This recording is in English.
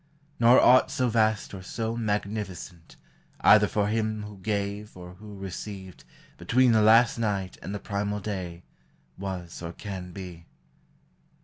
Nor aught so vast or so magnificent. Either for him who gave or who received, Between the last night and the primal day, DEATH: IMMORTALITY: HEAVEN. 1 1:1 Was or can be.